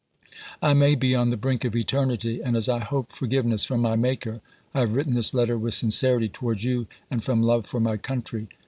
I may be on the brink of eternity, and as I hope forgive ness from my Maker, I have written this letter with sin cerity towards you and from love for my country.